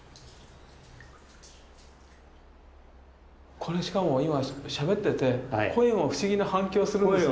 これしかも今しゃべってて声も不思議な反響するんですね。